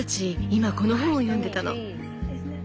今この本を読んでたの。